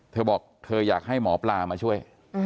เธอบอกเธออยากให้หมอปลามาช่วย